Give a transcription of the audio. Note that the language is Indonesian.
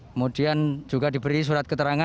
kemudian juga diberi surat keterangan